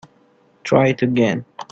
Try it again.